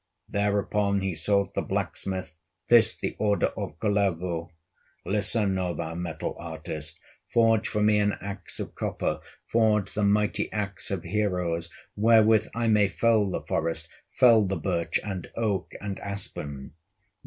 Thereupon he sought the blacksmith, This the order of Kullervo: "Listen, O thou metal artist, Forge for me an axe of copper, Forge the mighty axe of heroes, Wherewith I may fell the forest, Fell the birch, and oak, and aspen."